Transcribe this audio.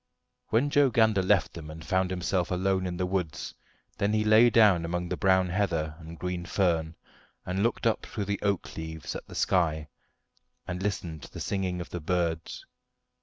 When Joe Gander left them and found himself alone in the woods, then he lay down among the brown heather and green fern, and looked up through the oak leaves at the sky, and listened to the singing of the birds.